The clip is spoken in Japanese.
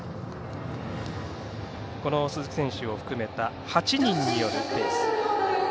鈴木選手を含めた８人によるレース。